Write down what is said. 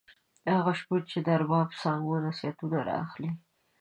هغه شپون چې د ارباب سامو نصیحتونه را اخلي.